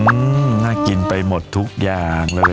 หืมน่ากินไปหมดทุกอย่างเลยไหมเนย